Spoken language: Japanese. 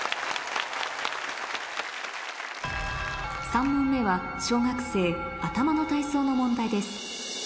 ３問目は小学生頭の体操の問題です